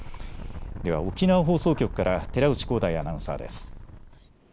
では沖縄放送局から寺内皓大アナウンサーです。